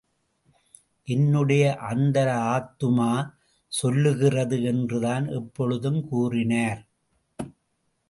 என்னுடைய அந்தராத்துமா சொல்லுகிறது என்றுதான் எப்பொழுதும் கூறினார்.